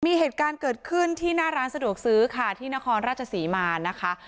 มีเหตุการณ์เกิดขึ้นที่หน้าร้านสะดวกซื้อค่ะที่นครราชศรีมานะคะ